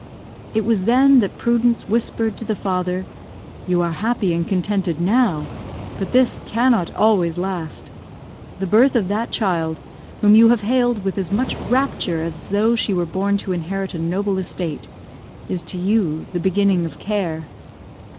It was then that prudence whispered to the father, "you are happy and contented now, but this cannot always last; the birth of that child whom you have hailed with as much rapture as though she were born to inherit a noble estate, is to you the beginning of care.